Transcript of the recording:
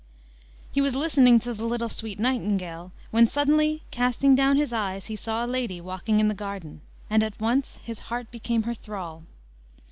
He was listening to "the little sweetë nightingale," when suddenly casting down his eyes he saw a lady walking in the garden, and at once his "heart became her thrall."